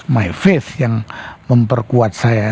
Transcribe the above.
my face yang memperkuat saya